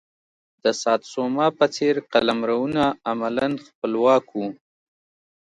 د ساتسوما په څېر قلمرونه عملا خپلواک وو.